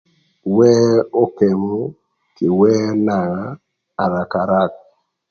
Wer okemu kï wer nanga ëka arakaraka.